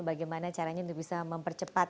bagaimana caranya untuk bisa mempercepat